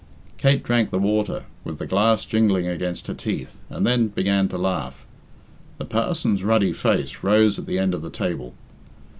Kate drank the water, with the glass jingling against her teeth, and then began to laugh. The parson's ruddy face rose at the end of the table.